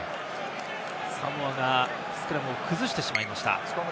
サモアがスクラムを崩してしまいました。